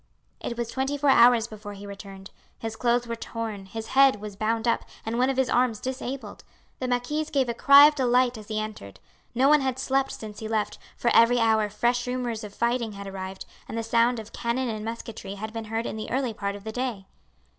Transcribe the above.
It was twenty four hours before he returned. His clothes were torn, his head was bound up, and one of his arms disabled. The marquise gave a cry of delight as he entered. No one had slept since he left, for every hour fresh rumours of fighting had arrived, and the sound of cannon and musketry had been heard in the early part of the day.